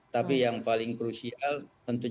tapi yang paling krusial tentu